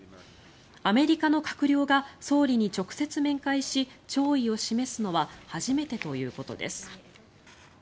アメリカの閣僚が総理に直接面会し弔意を示すのは初めてということです。